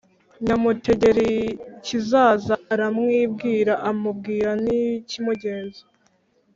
Nyamutegerikizaza aramwibwira, amubwira n' ikimugenza